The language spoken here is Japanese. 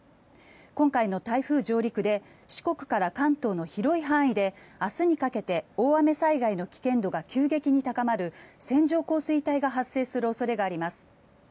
今回の台風上陸で四国から関東の広い範囲で明日にかけて大雨災害の危険度が急激に高まる線状降水帯が発生する恐れがあります。